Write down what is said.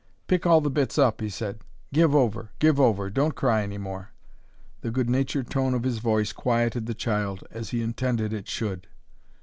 "Pick all the bits up," he said. "Give over! give over! Don't cry any more." The good natured tone of his voice quieted the child, as he intended it should.